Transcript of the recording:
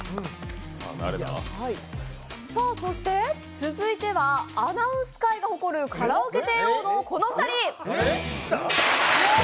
続いてはアナウンス界が誇るカラオケ帝王のこのお二人。